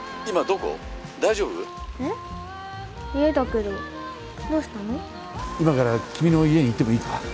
今から君の家に行ってもいいか？